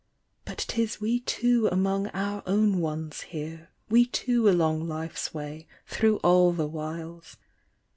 But 'tis we two among our own ones here. We two along life's way through all the whiles.